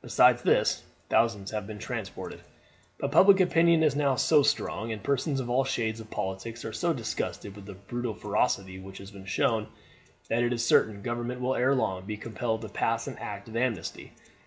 Besides this, thousands have been transported. But public opinion is now so strong, and persons of all shades of politics are so disgusted with the brutal ferocity which has been shown, that it is certain government will ere long be compelled to pass an act of amnesty.